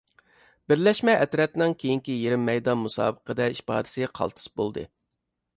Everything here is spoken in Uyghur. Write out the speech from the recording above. بىرلەشمە ئەترەتنىڭ كېيىنكى يېرىم مەيدان مۇسابىقىدە ئىپادىسى قالتىس بولدى.